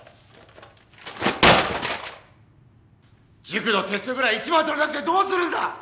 塾のテストぐらい１番取れなくてどうするんだ！？